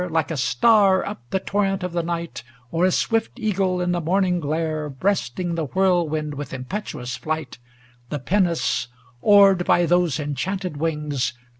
Like a star up the torrent of the night, Or a swift eagle in the morning glare Breasting the whirlwind with impetuous flight, The pinnace, oared by those enchanted wings.